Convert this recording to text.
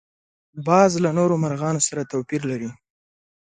باز له نورو مرغانو سره توپیر لري